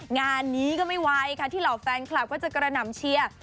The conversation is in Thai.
งานนี้ก็ไม่ไหวค่ะที่เหล่าแฟนคลับก็จะกระหน่ำเชียร์